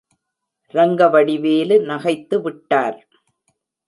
ரங்கவடிவேலு நகைத்து விட்டார்.